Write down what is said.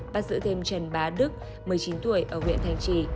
bắt giữ thêm trần bá đức một mươi chín tuổi ở huyện thanh trì